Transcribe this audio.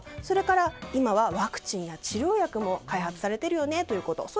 それから今はワクチンや治療薬も開発されているよねということ。